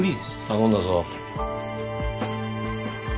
頼んだぞ。